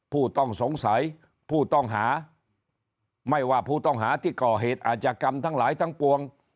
ผู้ต้องสงสัยผู้ต้องหาไม่ว่าผู้ต้องหาที่ก่อเหตุอาจกรรมทั้งหลายทั้งปวง